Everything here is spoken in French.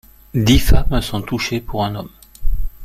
Dix femmes sont touchées pour un homme.